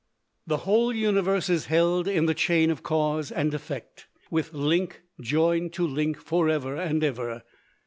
The whole universe is held in the chain of cause and effect, with link joined to link forever and ever.